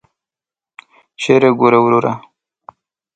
چیري ګورې وروره !